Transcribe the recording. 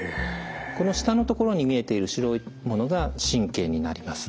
この下のところに見えている白いものが神経になります。